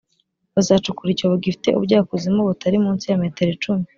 bazacukura icyobo gifite ubujyakuzimu butari munsi ya metero icumi